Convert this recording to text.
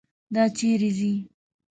دا چیرې ځي.